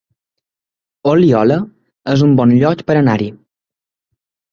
Oliola es un bon lloc per anar-hi